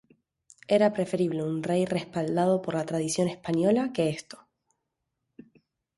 Era preferible un rey respaldado por la tradición española que esto.